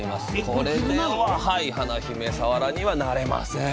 これでは華姫さわらにはなれません